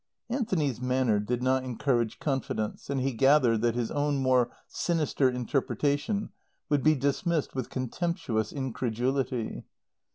Anthony's manner did not encourage confidence, and he gathered that his own more sinister interpretation would be dismissed with contemptuous incredulity.